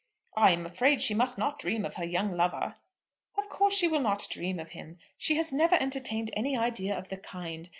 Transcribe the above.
"I am afraid she must not dream of her young lover." "Of course she will not dream of him. She has never entertained any idea of the kind.